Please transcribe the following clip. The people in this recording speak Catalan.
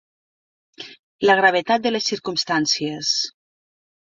La gravetat de les circumstàncies.